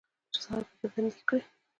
چې سهار پکې بندي کړي